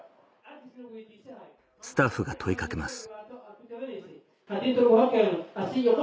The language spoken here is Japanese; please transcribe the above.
スタッフが問い掛けます